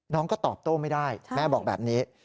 น้องก็ตอบโต้ไม่ได้แม่บอกแบบนี้